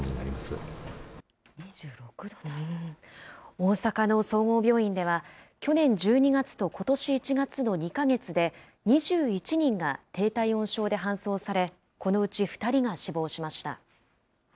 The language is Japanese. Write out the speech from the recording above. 大阪の総合病院では、去年１２月とことし１月の２か月で２１人が低体温症で搬送され、このうち２人が死亡しました。